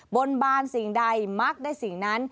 บนบานสิ่งใดมักได้สิ่งนั้น